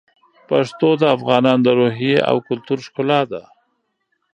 پښتو د افغانانو د روحیې او کلتور ښکلا ده.